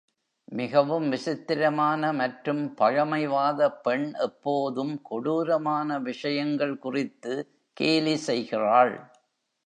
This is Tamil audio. மிகவும் விசித்திரமான, மற்றும் பழமைவாத பெண் எப்போதும் கொடூரமான விஷயங்கள் குறித்து கேலி செய்கிறாள்.